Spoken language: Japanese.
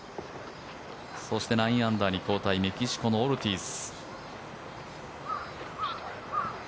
そして９アンダーに後退メキシコのオルティーズ。